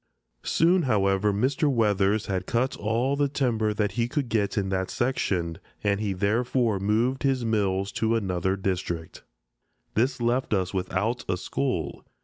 Soon, however, Mr. Weathers had cut all the timber that he could get in that section, and he therefore moved his mills to another district. This left us without a school.